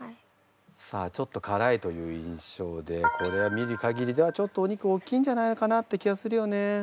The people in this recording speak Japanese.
さあちょっとからいという印象でこれを見る限りではちょっとお肉大きいんじゃないかなって気がするよね。